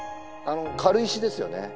軽石ですよね？